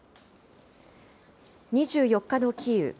２４日のキーウ。